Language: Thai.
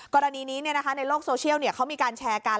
กรณีนี้ในโลกโซเชียลเขามีการแชร์กัน